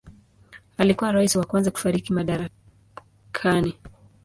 Alikuwa rais wa kwanza kufariki madarakani.